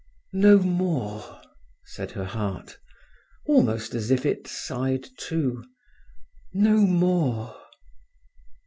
"No more," said her heart, almost as if it sighed too "no more!"